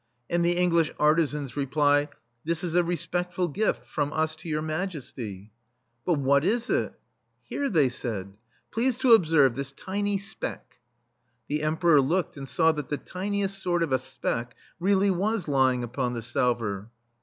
And the English artisans reply: "This is a respedlful gift from us to Your Majesty." "But what is it?" "Here/* they say, "please to observe this tiny speck." The Emperor looked and saw that the tiniest sort of a speck really was lying upon the salver.